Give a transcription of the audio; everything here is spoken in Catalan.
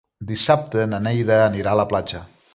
Dissabte na Neida anirà a la platja.